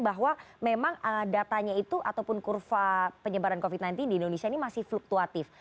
bahwa memang datanya itu ataupun kurva penyebaran covid sembilan belas di indonesia ini masih fluktuatif